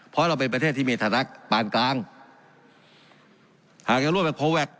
เพราะเราเป็นประเทศที่มีฐานะปานกลางหากจะร่วมแบบโคแวค